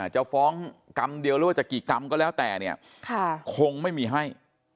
จะฟ้องกรรมเดียวหรือว่าจะกี่กรรมก็แล้วแต่เนี่ยคงไม่มีให้